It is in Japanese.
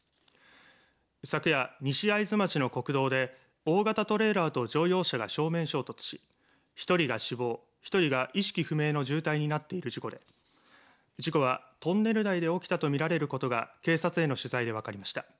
昨夜、西会津町の国道で大型トレーラーと乗用車が正面衝突し１人が死亡、１人が意識不明の重体になっている事故で事故はトンネル内で起きたと見られることが警察への取材で分かりました。